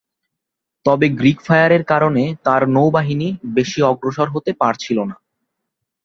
তবে গ্রীক ফায়ারের কারণে তার নৌবাহিনী বেশি অগ্রসর হতে পারছিল না।